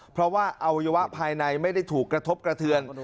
เพราะว่าอวัยวะภายในไม่ได้ถูกกระทบกระเทือน